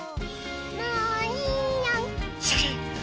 もういいよ。